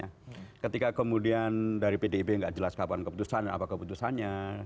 ya ketika kemudian dari pdib nggak jelas kapan keputusan dan apa keputusannya